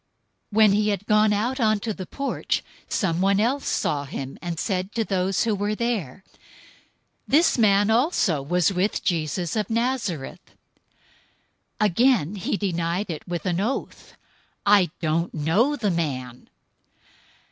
026:071 When he had gone out onto the porch, someone else saw him, and said to those who were there, "This man also was with Jesus of Nazareth." 026:072 Again he denied it with an oath, "I don't know the man."